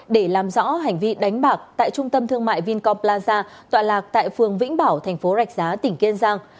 để làm rõ hành vi đánh bạc tại trung tâm thương mại vincom plaza tọa lạc tại phường vĩnh bảo tp rạch giá tỉnh kiên giang